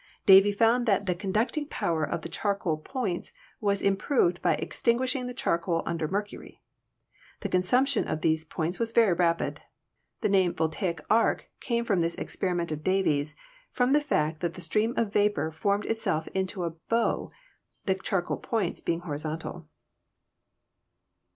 Davy found that the conducting power of the charcoal points was im proved by extinguishing the charcoal under mercury. The consumption of these points was very rapid. The name "voltaic arc" came from this experiment of Davy's, from the fact that the stream of vapor formed itself into a bow, the charcoal points being horizontal.